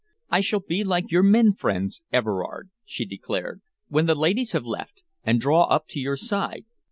"I shall be like your men friends, Everard," she declared, "when the ladies have left, and draw up to your side.